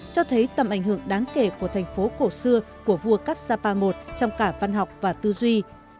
cho thấy tầm ảnh hưởng đáng kể của thành phố cổ xưa của vua kapsapa i trong cả văn học và tư duy